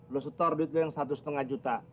lo setor duit lo yang satu setengah juta